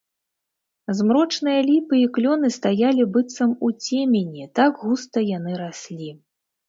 Змрочныя ліпы і клёны стаялі быццам у цемені, так густа яны раслі.